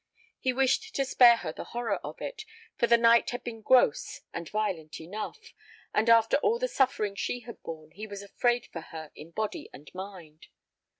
He wished to spare her the horror of it, for the night had been gross and violent enough, and after all the suffering she had borne he was afraid for her in body and mind.